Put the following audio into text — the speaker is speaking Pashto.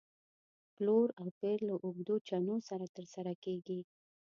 پلور او پېر له اوږدو چنو سره تر سره کېږي.